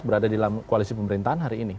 berada di koalisi pemerintahan hari ini